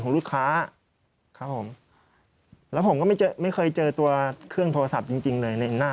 ลูกค้าครับผมแล้วผมก็ไม่เจอไม่เคยเจอตัวเครื่องโทรศัพท์จริงจริงเลยในหน้า